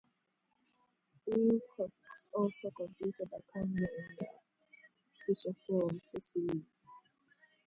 Wilcox also completed a cameo in the feature film "Two Sillies".